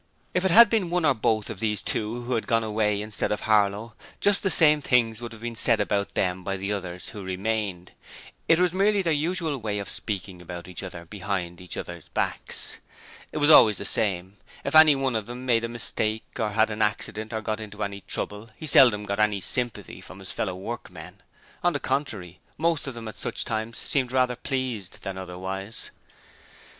If it had been one or both of these two who had gone away instead of Harlow, just the same things would have been said about them by the others who remained it was merely their usual way of speaking about each other behind each other's backs. It was always the same: if any one of them made a mistake or had an accident or got into any trouble he seldom or never got any sympathy from his fellow workmen. On the contrary, most of them at such times seemed rather pleased than otherwise.